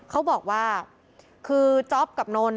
เขาบอกว่าคือจ๊อปกับนนท